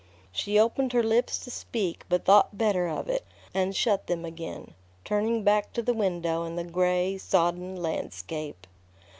She opened her lips to speak, but thought better of it, and shut them again, turning back to the window and the gray, sodden landscape.